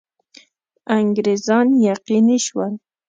انګرېزان یقیني شول.